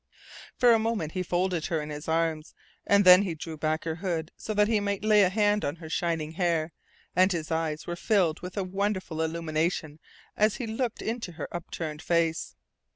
For a moment he folded her in his arms; and then he drew back her hood so that he might lay a hand on her shining hair, and his eyes were filled with a wonderful illumination as he looked into her upturned face.